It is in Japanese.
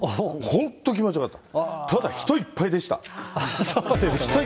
本当、気持ちよかった。